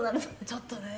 「ちょっとね」